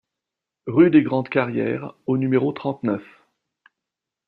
Rue des Grandes Carrières au numéro trente-neuf